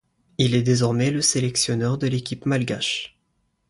Il est désormais le sélectionneur de l'équipe malgache.